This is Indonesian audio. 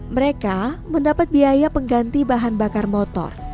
mereka mendapat biaya pengganti bahan bakar motor